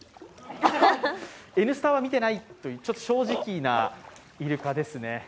「Ｎスタ」は見ていないと、ちょっと正直なイルカですね。